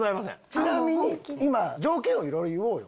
ちはみに条件をいろいろ言おう。